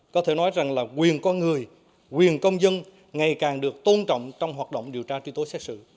có thể nói rằng là quyền con người quyền công dân ngày càng được tôn trọng trong hoạt động điều tra truy tố xét xử